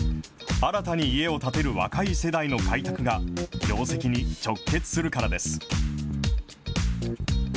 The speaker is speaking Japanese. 新たに家を建てる若い世代の開拓が、業績に直結するからです。